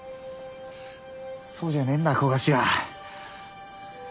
そうじゃねえんだ小頭。